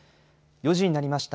４時になりました。